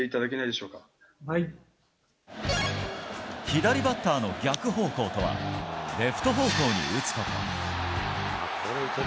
左バッターの逆方向とはレフト方向に打つこと。